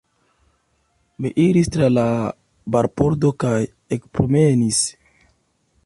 Mi iris tra la barpordo kaj ekpromenis.